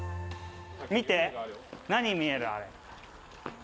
見て、何が見える、あれ。